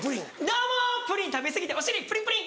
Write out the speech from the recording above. どうもプリン食べ過ぎてお尻プリンプリン。